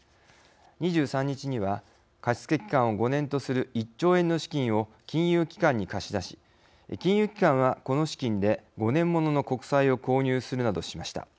２３日には、貸付期間を５年とする１兆円の資金を金融機関に貸し出し金融機関はこの資金で５年ものの国債を購入するなどしました。